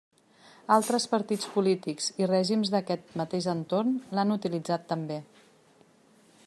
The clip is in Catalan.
Altres partits polítics i règims d'aquest mateix entorn l'han utilitzat també.